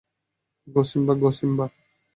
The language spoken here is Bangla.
গো, সিম্বা!